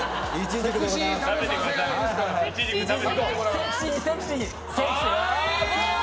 セクシーに、セクシーに。